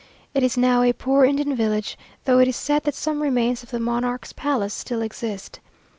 It is now a poor Indian village, though it is said that some remains of the monarch's palace still exist.